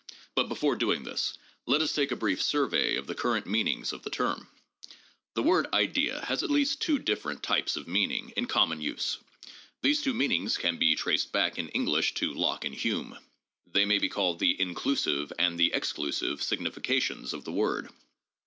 But before doing this, let us take a brief survey of the current meanings of the term. The word idea has at least two quite different types of meaning in common use. These two meanings can be traced back in English to Locke and Hume. They may be called the inclusive and the exclusive significations of the word.